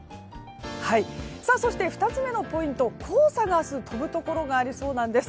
そして２つ目のポイントは黄砂が明日、飛ぶところがありそうです。